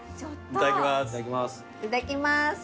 いただきます。